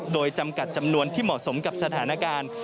โดยจำกัดจำนวนที่เหมาะสมกับสถานการณ์